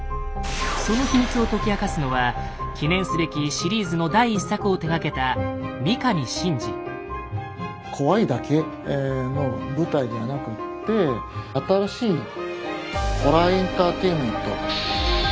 その秘密を解き明かすのは記念すべきシリーズの第１作を手がけた怖いだけの舞台ではなくって新しいホラーエンターテインメント。